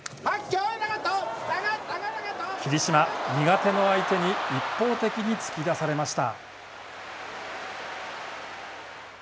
霧島、苦手の相手に一方的に尽き出されました。